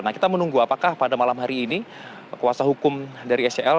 nah kita menunggu apakah pada malam hari ini kuasa hukum dari sel